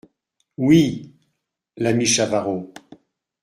Oui… l’ami Chavarot !